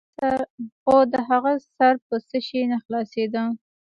خو د هغه سر په څه شي نه خلاصېده.